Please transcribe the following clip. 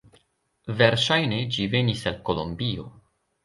Verŝajne ĝi venis el Kolombio.